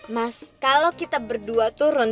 mas kalau kita berdua turun